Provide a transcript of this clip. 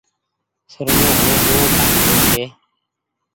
سرمو هڻي سون ڪآئي هووي ڇي۔